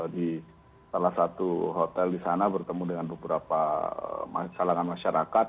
di salah satu hotel di sana bertemu dengan beberapa kalangan masyarakat